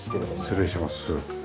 失礼します。